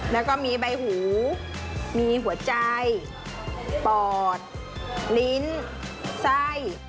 แล้วก็มีใบหูมีหัวใจปอดลิ้นไส้